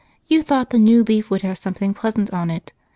You thought the new leaf would have something pleasant on it.